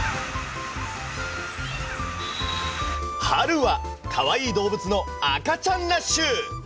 春はかわいい動物の赤ちゃんラッシュ。